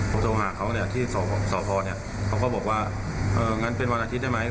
พอโทรหาเขาเนี่ยที่สพเนี่ยเขาก็บอกว่าเอองั้นเป็นวันอาทิตย์ได้ไหม